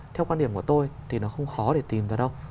theo quan điểm của tôi thì nó không khó để tìm ra đâu